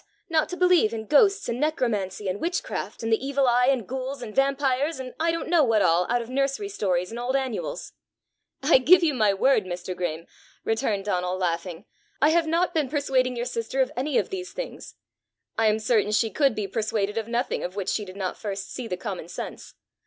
not to believe in ghosts and necromancy and witchcraft and the evil eye and ghouls and vampyres, and I don't know what all out of nursery stories and old annuals?" "I give you my word, Mr. Graeme," returned Donal, laughing, "I have not been persuading your sister of any of these things! I am certain she could be persuaded of nothing of which she did not first see the common sense.